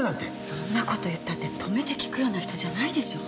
そんなこと言ったって止めて聞くような人じゃないでしょ。